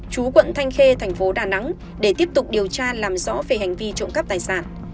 chú quận thanh khê thành phố đà nẵng để tiếp tục điều tra làm rõ về hành vi trộm cắp tài sản